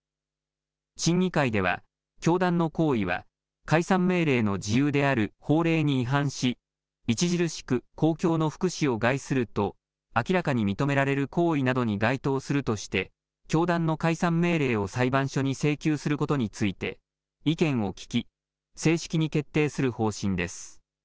審議会では教団の行為は解散命令の事由である法令に違反し著しく公共の福祉を害すると明らかに認められる行為などに該当するとして教団の解散命令を裁判所に請求することについて意見を聞き正式に決定する方針です。